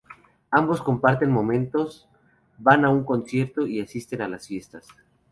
Ambos comparten momentos, van a un concierto y asisten a las fiestas.